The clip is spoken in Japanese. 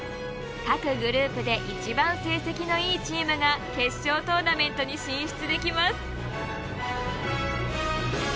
各グループで一番成績のいいチームが決勝トーナメントに進出できます。